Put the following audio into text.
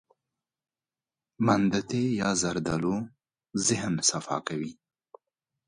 زردالو د ذهن صفا کوي.